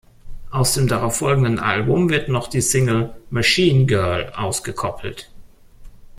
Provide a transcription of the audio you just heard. Aus dem darauffolgenden Album wird noch die Single "Machine Girl" ausgekoppelt.